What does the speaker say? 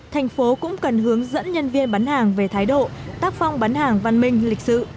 thành phố cũng cần hướng dẫn nhân viên bán hàng về thái độ tác phong bán hàng văn minh lịch sự